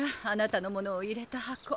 あなたのものを入れた箱。